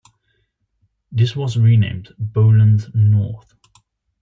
This was renamed "Bowland North".